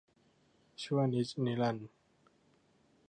ชั่วนิจนิรันดร์